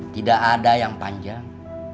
tidak ada yang panjang